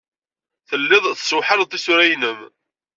Telliḍ tessewḥaleḍ tisura-nnem.